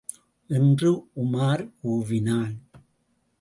என்று உமார் கூறினான்.